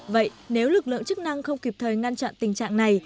vậy nếu lực lượng chức năng không kịp thời ngăn chặn tình trạng này